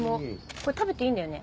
これ食べていいんだよね？